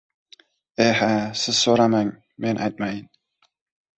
— Eha, siz so‘ramang, men aytmayin!